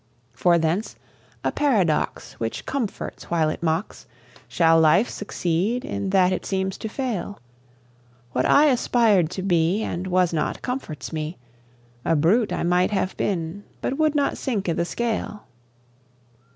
For thence, a paradox Which comforts while it mocks, Shall life succeed in that it seems to fail: What I aspired to be, And was not, comforts me: A brute I might have been, but would not sink i' the scale.